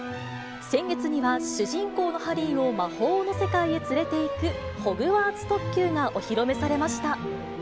先月には、主人公のハリーを魔法の世界へ連れていくホグワーツ特急がお披露目されました。